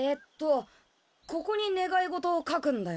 ここに願い事を書くんだよね。